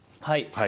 はい。